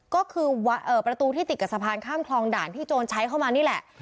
ก็คือประตูที่ติดกับสะพานข้ามคลองด่านที่โจรใช้เข้ามานี่แหละ